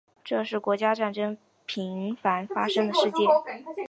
这是国家战争频繁发生的世界。